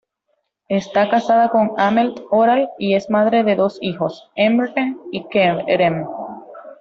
Está casada con Ahmet Oral, y es madre de dos hijos: Emre y Kerem.